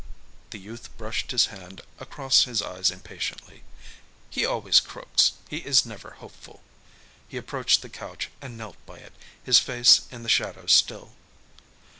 The youth brushed his hand across his eyes impatiently. "He always croaks. He is never hopeful." He approached the couch and knelt by it, his face in the shadow still.